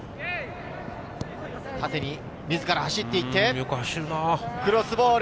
縦に自ら矢端が走っていってクロスボール。